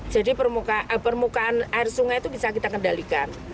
jadi permukaan air sungai itu bisa kita kendalikan